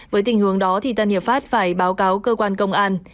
với tình hướng đó thì tân hiệp phát phải báo cáo cơ quan công an